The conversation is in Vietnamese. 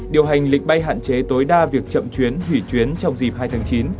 điều hành lịch bay hạn chế tối đa việc chậm chuyến hủy chuyến trong dịp hai tháng chín